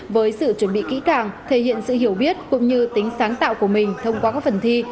với sự chuẩn bị kỹ càng thể hiện sự hiểu biết cũng như tính sáng tạo của mình thông qua các phần thi